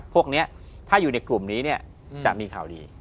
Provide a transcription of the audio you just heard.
พวกนี้ถ้าอยู่ในกลุ่มนี้จะมีข่าวดี